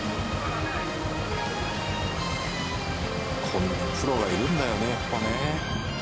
こんなプロがいるんだよねやっぱね。